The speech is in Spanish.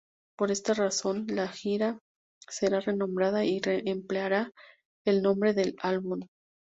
Por esta razón, la gira será renombrada y empleará el nombre del álbum.